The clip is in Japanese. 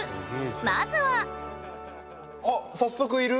まずは早速いる？